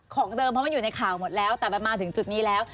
ของเดิมเพราะมันอยู่ในข่าวหมดแล้วแต่มันมาถึงจุดนี้แล้ว